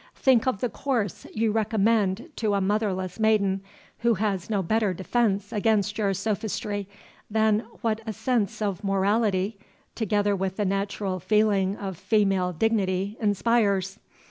Think of the course you recommend to a motherless maiden, who has no better defence against your sophistry, than what a sense of morality, together with the natural feeling of female dignity inspires.